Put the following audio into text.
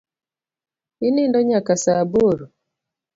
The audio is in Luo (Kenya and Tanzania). Inindo nyaka saa aboro?